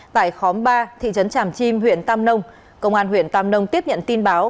tại khóm ba thị trấn tràm chim huyện tam nông công an huyện tam nông tiếp nhận tin báo